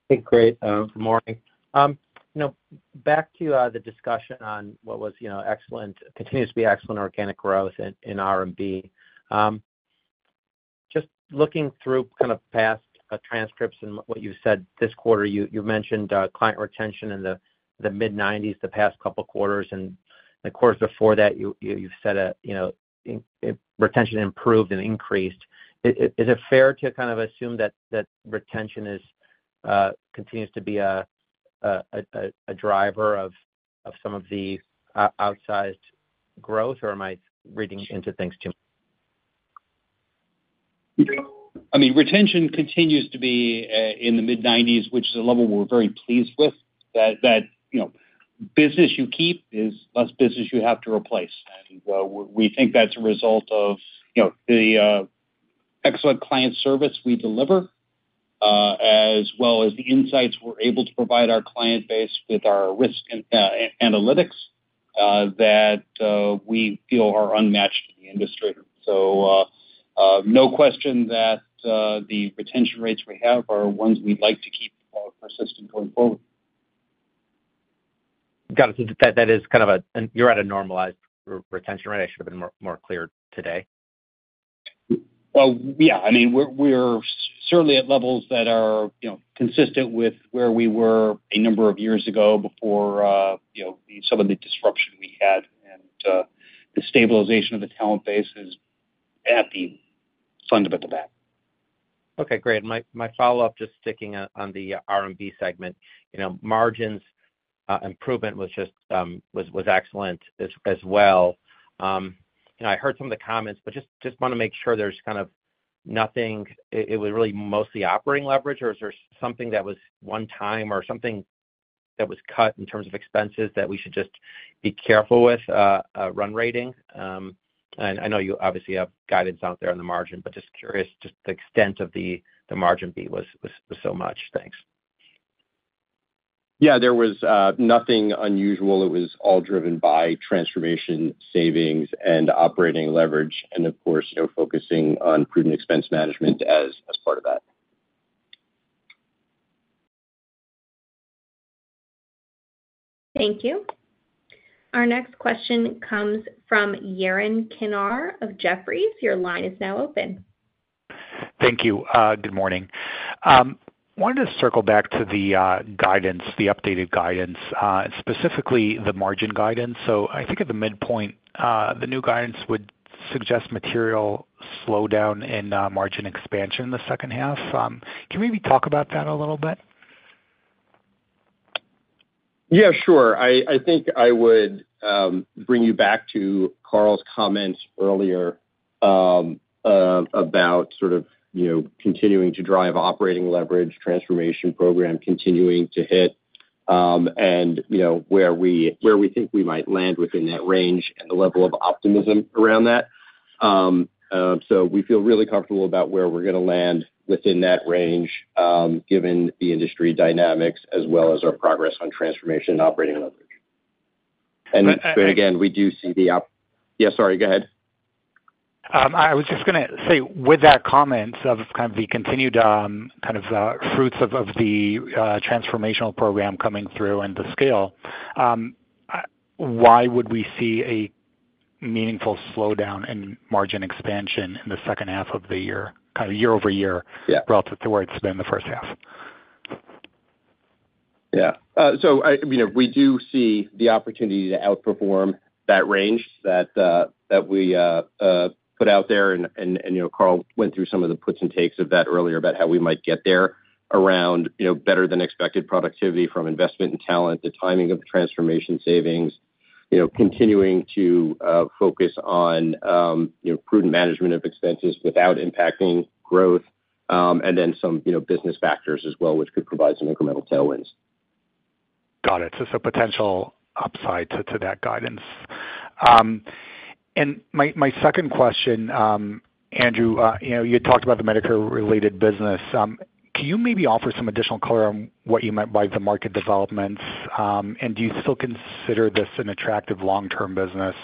Hey, great. Good morning. You know, back to the discussion on what was, you know, excellent, continues to be excellent organic growth in R&B. Just looking through kind of past transcripts and what you've said this quarter, you mentioned client retention in the mid-90s% the past couple of quarters. And the quarters before that, you've said that, you know, retention improved and increased. Is it fair to kind of assume that retention continues to be a driver of some of the outsized growth, or am I reading into things too much? I mean, retention continues to be in the mid-90s%, which is a level we're very pleased with. That, you know, business you keep is less business you have to replace. And we think that's a result of, you know, the excellent client service we deliver, as well as the insights we're able to provide our client base with our risk analytics that we feel are unmatched in the industry. So no question that the retention rates we have are ones we'd like to keep persistent going forward. Got it. That is kind of a you're at a normalized retention rate. I should have been more clear today. Well, yeah. I mean, we're certainly at levels that are, you know, consistent with where we were a number of years ago before, you know, some of the disruption we had. And the stabilization of the talent base is fundamental back. Okay. Great. My follow-up, just sticking on the R&B segment, you know, margins improvement was just—was excellent as well. You know, I heard some of the comments, but just want to make sure there's kind of nothing. It was really mostly operating leverage, or is there something that was one time or something that was cut in terms of expenses that we should just be careful with run rating? And I know you obviously have guidance out there on the margin, but just curious, just the extent of the margin beat was so much. Thanks. Yeah. There was nothing unusual. It was all driven by transformation savings and operating leverage and, of course, you know, focusing on prudent expense management as part of that. Thank you. Our next question comes from Yaron Kinar of Jefferies. Your line is now open. Thank you. Good morning. Wanted to circle back to the guidance, the updated guidance, specifically the margin guidance. So I think at the midpoint, the new guidance would suggest material slowdown in margin expansion in the second half. Can we maybe talk about that a little bit? Yeah, sure. I think I would bring you back to Carl's comments earlier about sort of, you know, continuing to drive operating leverage, transformation program continuing to hit, and, you know, where we think we might land within that range and the level of optimism around that. So we feel really comfortable about where we're going to land within that range given the industry dynamics as well as our progress on transformation and operating leverage. And again, we do see the, yeah, sorry, go ahead. I was just going to say with that comment of kind of the continued kind of fruits of the transformational program coming through and the scale, why would we see a meaningful slowdown in margin expansion in the second half of the year, kind of year-over-year relative to where it's been the first half? Yeah. I mean, we do see the opportunity to outperform that range that we put out there. You know, Carl went through some of the puts and takes of that earlier about how we might get there around, you know, better than expected productivity from investment and talent, the timing of the transformation savings, you know, continuing to focus on, you know, prudent management of expenses without impacting growth, and then some, you know, business factors as well, which could provide some incremental tailwinds. Got it. Potential upside to that guidance. My second question, Andrew, you know, you had talked about the Medicare-related business. Can you maybe offer some additional color on what you meant by the market developments? Do you still consider this an attractive long-term business?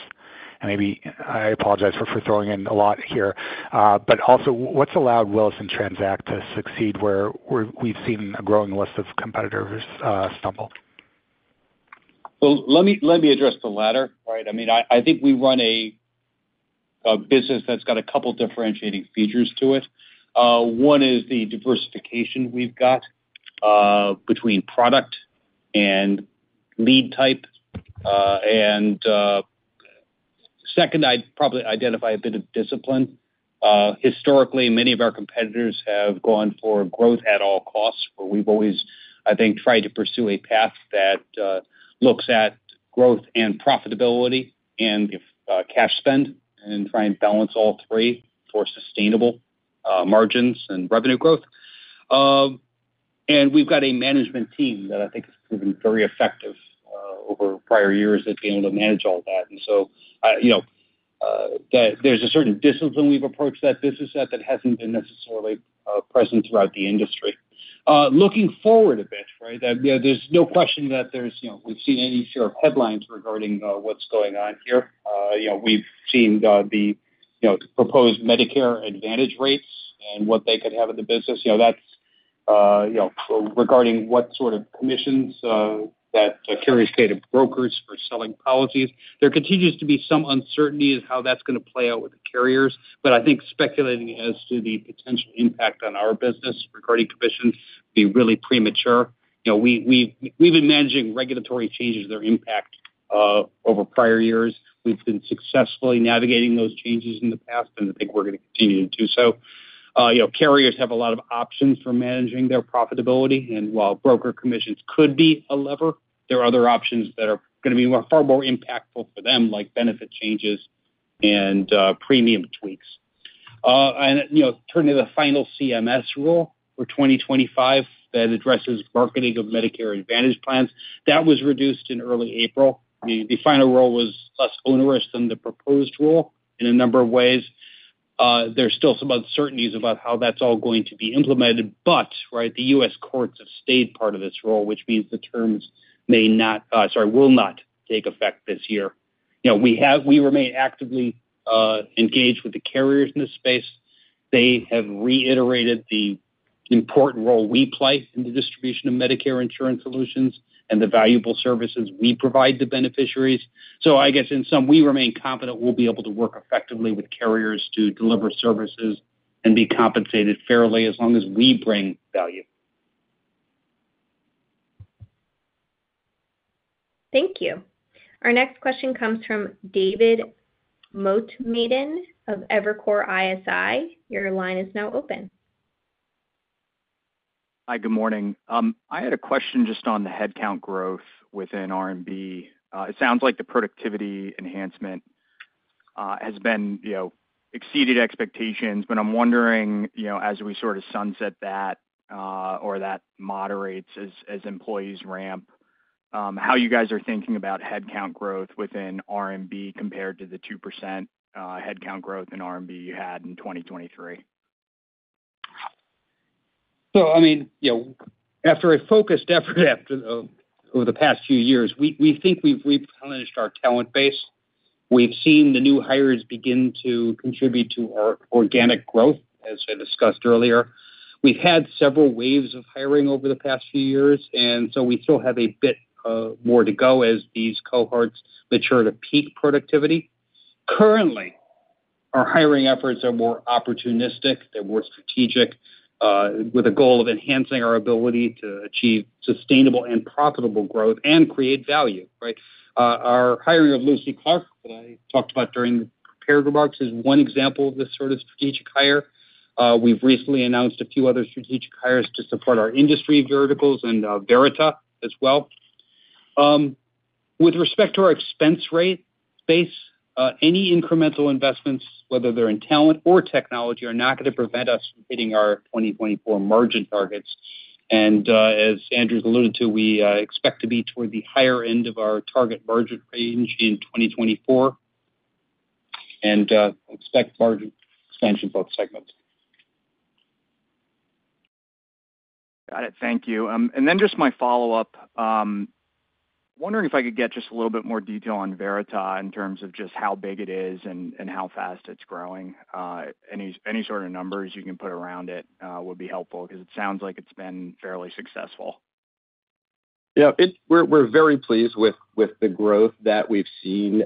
Maybe I apologize for throwing in a lot here, but also what's allowed Willis and Tranzact to succeed where we've seen a growing list of competitors stumble? Well, let me address the latter, right? I mean, I think we run a business that's got a couple of differentiating features to it. One is the diversification we've got between product and lead type. Second, I'd probably identify a bit of discipline. Historically, many of our competitors have gone for growth at all costs. We've always, I think, tried to pursue a path that looks at growth and profitability and cash spend and try and balance all three for sustainable margins and revenue growth. And we've got a management team that I think has proven very effective over prior years at being able to manage all that. And so, you know, there's a certain discipline we've approached that business that hasn't been necessarily present throughout the industry. Looking forward a bit, right? There's no question that there's, you know, we've seen any sort of headlines regarding what's going on here. You know, we've seen the, you know, proposed Medicare Advantage rates and what they could have in the business. You know, that's, you know, regarding what sort of commissions that carriers pay to brokers for selling policies. There continues to be some uncertainty as how that's going to play out with the carriers. But I think speculating as to the potential impact on our business regarding commissions would be really premature. You know, we've been managing regulatory changes that are impact over prior years. We've been successfully navigating those changes in the past, and I think we're going to continue to do so. You know, carriers have a lot of options for managing their profitability. And while broker commissions could be a lever, there are other options that are going to be far more impactful for them, like benefit changes and premium tweaks. And, you know, turning to the final CMS rule for 2025 that addresses marketing of Medicare Advantage plans, that was reduced in early April. The final rule was less onerous than the proposed rule in a number of ways. There's still some uncertainties about how that's all going to be implemented. But, right, the U.S. Courts have stayed part of this rule, which means the terms may not. Sorry, will not take effect this year. You know, we remain actively engaged with the carriers in this space. They have reiterated the important role we play in the distribution of Medicare insurance solutions and the valuable services we provide to beneficiaries. So I guess in sum, we remain confident we'll be able to work effectively with carriers to deliver services and be compensated fairly as long as we bring value. Thank you. Our next question comes from David Motemaden of Evercore ISI. Your line is now open. Hi, good morning. I had a question just on the headcount growth within R&B. It sounds like the productivity enhancement has been, you know, exceeded expectations, but I'm wondering, you know, as we sort of sunset that or that moderates as employees ramp, how you guys are thinking about headcount growth within R&B compared to the 2% headcount growth in R&B you had in 2023? So, I mean, you know, after a focused effort over the past few years, we think we've replenished our talent base. We've seen the new hires begin to contribute to our organic growth, as I discussed earlier. We've had several waves of hiring over the past few years, and so we still have a bit more to go as these cohorts mature to peak productivity. Currently, our hiring efforts are more opportunistic. They're more strategic with a goal of enhancing our ability to achieve sustainable and profitable growth and create value, right? Our hiring of Lucy Clarke, that I talked about during the prepared remarks, is one example of this sort of strategic hire. We've recently announced a few other strategic hires to support our industry verticals and Verita as well. With respect to our expense rate base, any incremental investments, whether they're in talent or technology, are not going to prevent us from hitting our 2024 margin targets. And as Andrew alluded to, we expect to be toward the higher end of our target margin range in 2024 and expect margin expansion in both segments. Got it. Thank you. And then just my follow-up, wondering if I could get just a little bit more detail on Verita in terms of just how big it is and how fast it's growing. Any sort of numbers you can put around it would be helpful because it sounds like it's been fairly successful. Yeah. We're very pleased with the growth that we've seen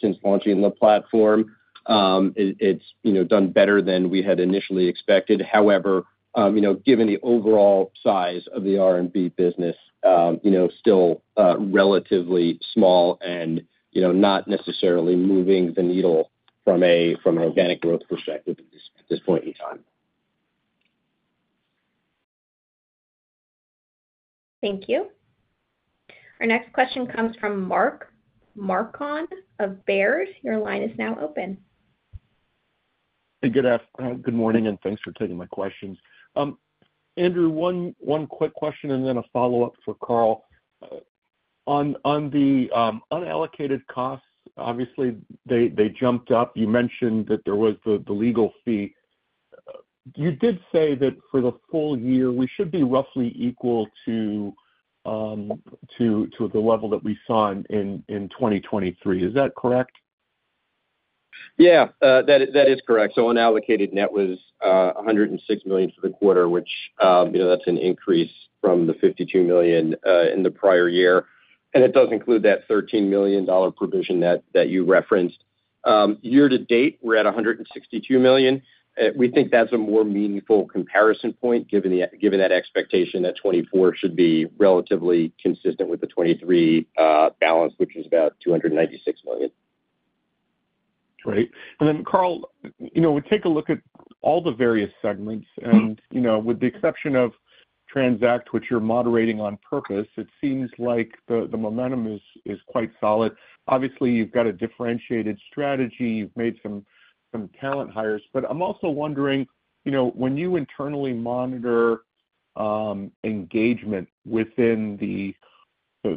since launching the platform. It's, you know, done better than we had initially expected. However, you know, given the overall size of the R&B business, you know, still relatively small and, you know, not necessarily moving the needle from an organic growth perspective at this point in time. Thank you. Our next question comes from Mark Marcon of Baird. Your line is now open. Hey, good afternoon. Good morning, and thanks for taking my questions. Andrew, one quick question and then a follow-up for Carl. On the unallocated costs, obviously, they jumped up. You mentioned that there was the legal fee. You did say that for the full year, we should be roughly equal to the level that we saw in 2023. Is that correct? Yeah, that is correct. So unallocated net was $106 million for the quarter, which, you know, that's an increase from the $52 million in the prior year. And it does include that $13 million provision that you referenced. Year to date, we're at $162 million. We think that's a more meaningful comparison point given that expectation that 2024 should be relatively consistent with the 2023 balance, which is about $296 million. Great. And then, Carl, you know, we take a look at all the various segments. And, you know, with the exception of Tranzact, which you're moderating on purpose, it seems like the momentum is quite solid. Obviously, you've got a differentiated strategy. You've made some talent hires. But I'm also wondering, you know, when you internally monitor engagement within the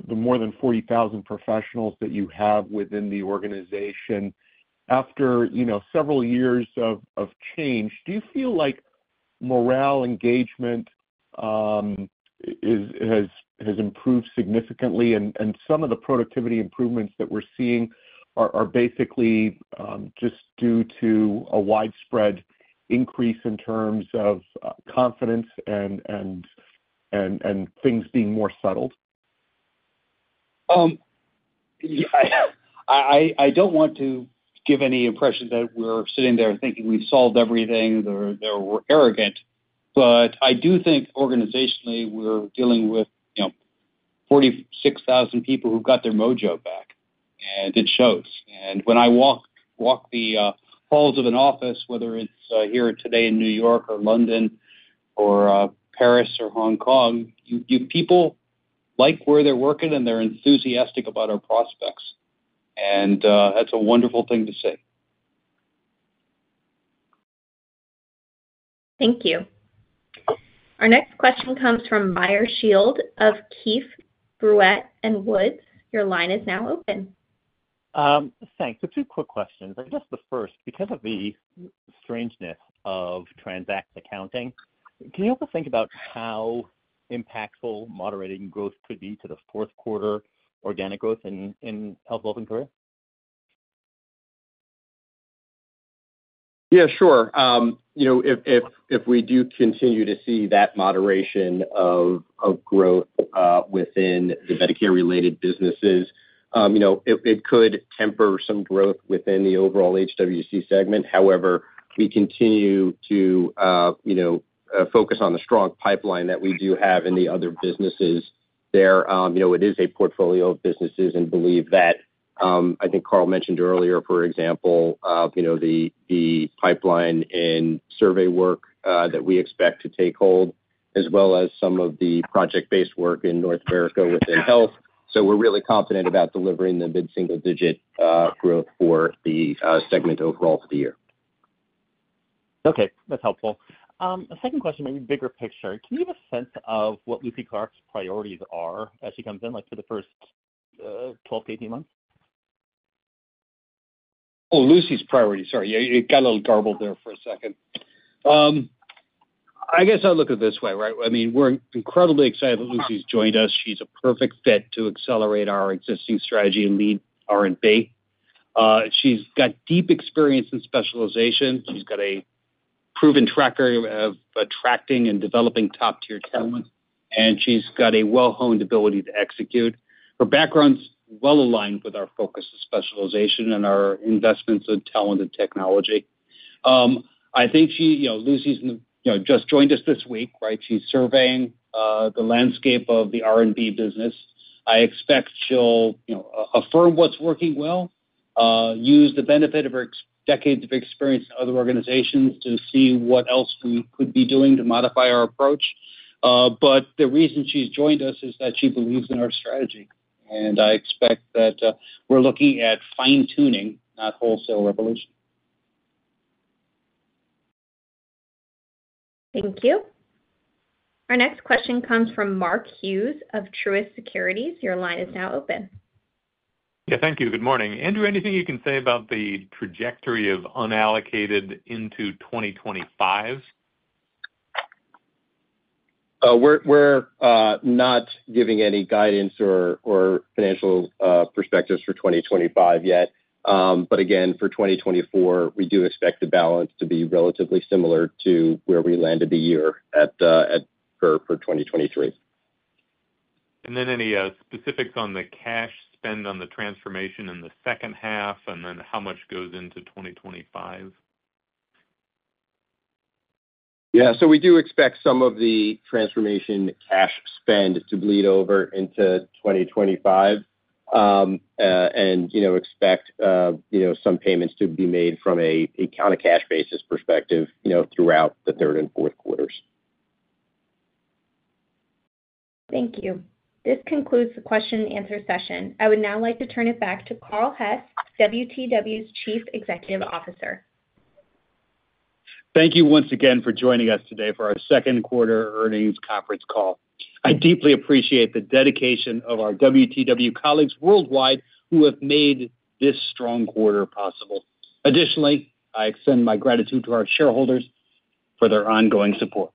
more than 40,000 professionals that you have within the organization, after, you know, several years of change, do you feel like morale engagement has improved significantly? And some of the productivity improvements that we're seeing are basically just due to a widespread increase in terms of confidence and things being more settled? I don't want to give any impression that we're sitting there thinking we've solved everything or we're arrogant, but I do think organizationally we're dealing with, you know, 46,000 people who got their mojo back, and it shows. And when I walk the halls of an office, whether it's here today in New York or London or Paris or Hong Kong, people like where they're working, and they're enthusiastic about our prospects. And that's a wonderful thing to say. Thank you. Our next question comes from Meyer Shields of Keefe, Bruyette & Woods. Your line is now open. Thanks. A few quick questions. I guess the first, because of the strangeness of Tranzact accounting, can you also think about how impactful moderating growth could be to the fourth quarter organic growth in Health, Wealth & Career? Yeah, sure. You know, if we do continue to see that moderation of growth within the Medicare-related businesses, you know, it could temper some growth within the overall HWC segment. However, we continue to, you know, focus on the strong pipeline that we do have in the other businesses there. You know, it is a portfolio of businesses and believe that, I think Carl mentioned earlier, for example, you know, the pipeline in survey work that we expect to take hold, as well as some of the project-based work in North America within health. So we're really confident about delivering the mid-single-digit growth for the segment overall for the year. Okay. That's helpful. A second question, maybe bigger picture. Can you give a sense of what Lucy Clarke's priorities are as she comes in, like for the first 12-18 months? Oh, Lucy's priorities. Sorry. It got a little garbled there for a second. I guess I'll look at it this way, right? I mean, we're incredibly excited that Lucy's joined us. She's a perfect fit to accelerate our existing strategy and lead R&B. She's got deep experience and specialization. She's got a proven track record of attracting and developing top-tier talent, and she's got a well-honed ability to execute. Her background's well aligned with our focus of specialization and our investments in talent and technology. I think she, you know, Lucy's, you know, just joined us this week, right? She's surveying the landscape of the R&B business. I expect she'll, you know, affirm what's working well, use the benefit of her decades of experience in other organizations to see what else we could be doing to modify our approach. But the reason she's joined us is that she believes in our strategy. And I expect that we're looking at fine-tuning, not wholesale revolution. Thank you. Our next question comes from Mark Hughes of Truist Securities. Your line is now open. Yeah, thank you. Good morning. Andrew, anything you can say about the trajectory of unallocated into 2025? We're not giving any guidance or financial perspectives for 2025 yet. But again, for 2024, we do expect the balance to be relatively similar to where we landed the year for 2023. And then any specifics on the cash spend on the transformation in the second half and then how much goes into 2025? Yeah. So we do expect some of the transformation cash spend to bleed over into 2025 and, you know, expect, you know, some payments to be made from a calendar cash basis perspective, you know, throughout the third and fourth quarters. Thank you. This concludes the question-and-answer session. I would now like to turn it back to Carl Hess, WTW's Chief Executive Officer. Thank you once again for joining us today for our second quarter earnings conference call. I deeply appreciate the dedication of our WTW colleagues worldwide who have made this strong quarter possible. Additionally, I extend my gratitude to our shareholders for their ongoing support.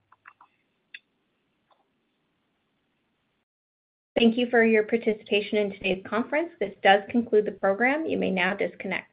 Thank you for your participation in today's conference. This does conclude the program. You may now disconnect.